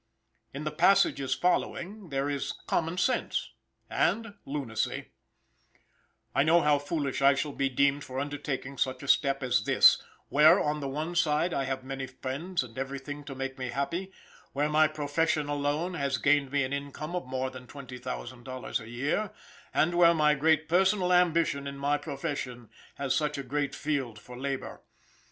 In the passages following there is common sense and lunacy: "I know how foolish I shall be deemed for undertaking such a step as this, where, on the one side, I have many friends and everything to make me happy, where my profession alone, has gained me an income of more than twenty thousand dollars a year, and where my great personal ambition in my profession has such a great field for labor.